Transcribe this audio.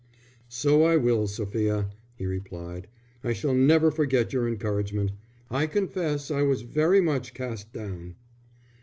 "So I will, Sophia," he replied. "I shall never forget your encouragement. I confess I was very much cast down."